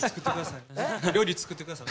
料理作って下さい。